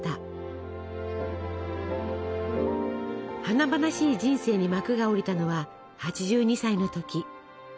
華々しい人生に幕が下りたのは８２歳の時。